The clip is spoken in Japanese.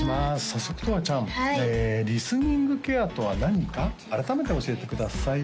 早速とわちゃんリスニングケアとは何か改めて教えてください